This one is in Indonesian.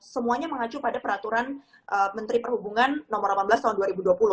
semuanya mengacu pada peraturan menteri perhubungan nomor delapan belas tahun dua ribu dua puluh